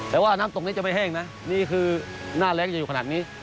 แต่ว่าน้ำตกนี้จะไม่แห้งนะนี่คือหน้าแรงจะอยู่ขนาดนี้